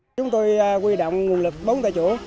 chúng tôi quy động nguồn lực bốn tại chỗ